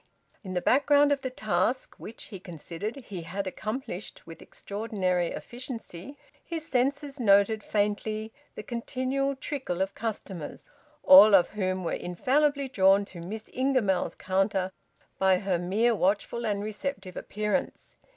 In the background of the task which (he considered) he had accomplished with extraordinary efficiency, his senses noted faintly the continual trickle of customers, all of whom were infallibly drawn to Miss Ingamells's counter by her mere watchful and receptive appearance.